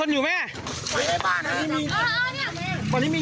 ยาย